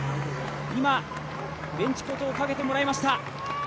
今、ベンチコートをかけてもらいました。